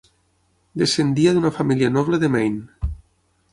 Descendia d'una família noble de Maine.